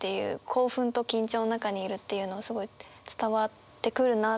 興奮と緊張の中にいるっていうのをすごい伝わってくるな。